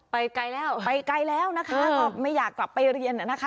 ไกลแล้วไปไกลแล้วนะคะก็ไม่อยากกลับไปเรียนนะคะ